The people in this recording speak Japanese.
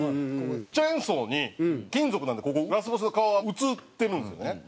チェンソーに金属なんでここラスボスの顔が映ってるんですよね。